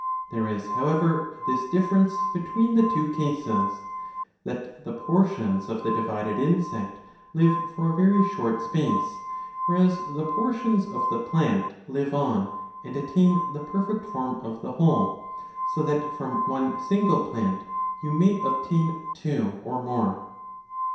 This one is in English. There is however this differ ence between the two cases, that the portions of the divided insect live for "a very short space, whereas the portions of the plant live on and attain the perfect form of the whole, so that from one single plant you may obtain two or more.